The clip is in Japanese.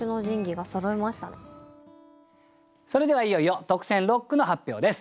それではいよいよ特選六句の発表です。